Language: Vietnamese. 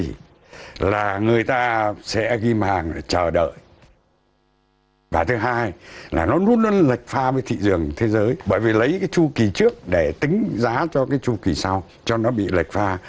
thứ hai là người ta sẽ ghim hàng để chờ đợi và thứ hai là nó rút lên lệch pha với thị trường thế giới bởi vì lấy cái chu kỳ trước để tính giá cho cái chu kỳ sau cho nó bị lệch pha